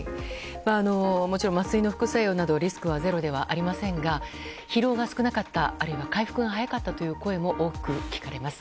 もちろん、麻酔の副作用などリスクはゼロではありませんが疲労が少なかった、あるいは回復が早かったという声も多く聞かれます。